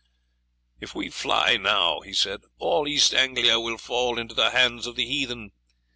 "If we fly now," he said, "all East Anglia will fall into the hands of the heathen.